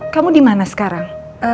kamu dimana sekarang